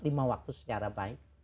lima waktu secara baik